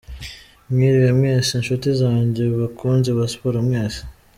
Mwiriwe mwese nshuti zanjye bakunzi ba Sport mwese